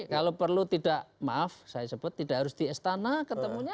kalau perlu tidak maaf saya sebut tidak harus di istana ketemunya